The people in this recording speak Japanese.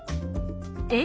え？